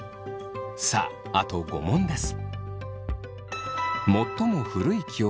さああと５問です。